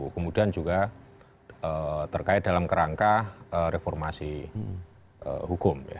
kemudian juga terkait dalam kerangka reformasi hukum